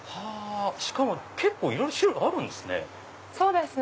しかも結構いろいろ種類あるんすね。